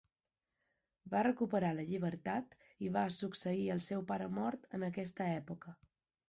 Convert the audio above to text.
Va recuperar la llibertat i va succeir al seu pare mort en aquesta època.